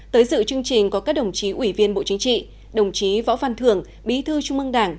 tới dự chương trình có các đồng chí ủy viên bộ chính trị đồng chí võ văn thường bí thư trung mương đảng